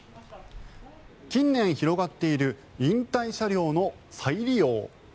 近年広がっている引退車両の再利用。